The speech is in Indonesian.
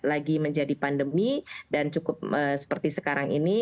lagi menjadi pandemi dan cukup seperti sekarang ini